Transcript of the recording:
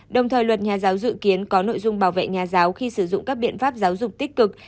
đồng thời luật nhà giáo dự kiến có nội dung bảo vệ nhà giáo khi sử dụng các biện pháp giáo dục tích cực